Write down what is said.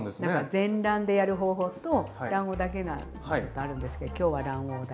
全卵でやる方法と卵黄だけなのとあるんですけど今日は卵黄だけで。